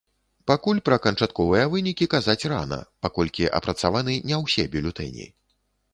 Пакуль пра канчатковыя вынікі казаць рана, паколькі апрацаваны не ўсе бюлетэні.